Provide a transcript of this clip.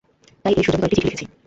তাই এই সুযোগে কয়েকটি চিঠি লিখছি।